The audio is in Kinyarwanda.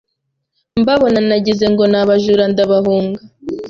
mbabona nagize ngo ni abajura ndabahunga,